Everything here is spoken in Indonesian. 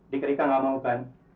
dek erika tidak mau kan